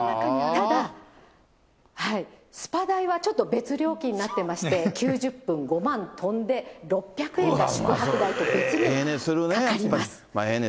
ただ、スパ代はちょっと、別料金になってまして、９０分５万飛んで６００円が、宿泊代と別にかかります。